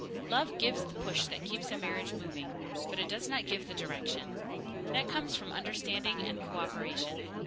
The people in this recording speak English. Love gives the push that keeps a marriage moving, but it does not give the direction. That comes from understanding and cooperation.